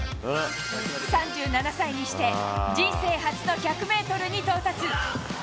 ３７歳にして、人生初の１００メートルに到達。